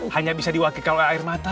hanya bisa diwakilkan oleh air mata